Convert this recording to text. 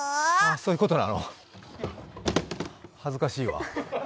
そういうことなの恥ずかしいわ。